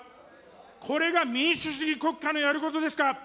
これが民主主義国家のやることですか。